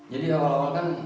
jadi awal awal kan